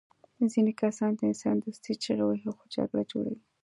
ځینې کسان د انسان دوستۍ چیغې وهي خو جګړه جوړوي